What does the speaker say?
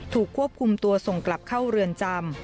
ถูกควบคุมตัวส่งกลับเข้าเรือนจำ